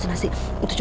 susah tu phi